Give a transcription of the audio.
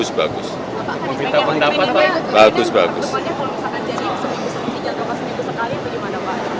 seminggu seminggu sekali bagaimana pak